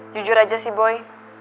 jujur aja sih boy